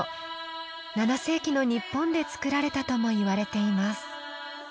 ７世紀の日本で作られたともいわれています。